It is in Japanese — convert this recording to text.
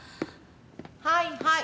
はいはい。